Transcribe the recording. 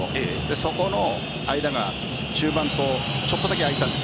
そこの間が中盤とちょっとだけ空いたんです。